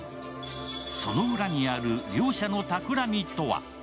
その裏にある両者の企みとは？